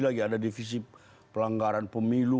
ada divisi pelanggaran pemilu